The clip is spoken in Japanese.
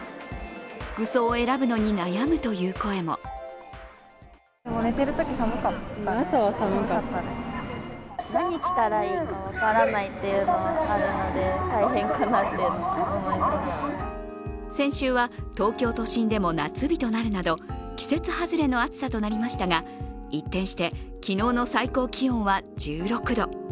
服装を選ぶのに悩むという声も先週は東京都心でも夏日となるなど、季節外れの暑さとなりましたが一転して、昨日の最高気温は１６度。